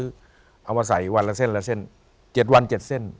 เอามาใส่วันละเส้นละเส้น๗วัน๗เส้น